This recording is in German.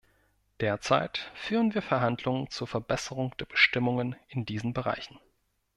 Derzeit führen wir Verhandlungen zur Verbesserung der Bestimmungen in diesen Bereichen.